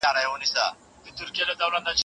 هغه خپله لار پيدا کړې ده.